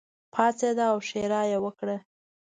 پاڅېده او ښېرا یې وکړه.